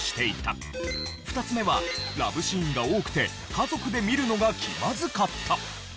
２つ目はラブシーンが多くて家族で見るのが気まずかった。